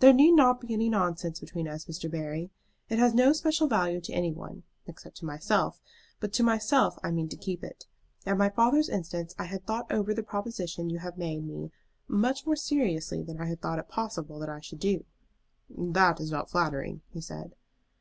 "There need not be any nonsense between us, Mr. Barry. It has no special value to any one, except to myself; but to myself I mean to keep it. At my father's instance I had thought over the proposition you have made me much more seriously than I had thought it possible that I should do." "That is not flattering," he said.